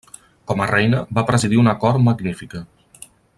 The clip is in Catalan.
Com a reina, va presidir una cort magnífica.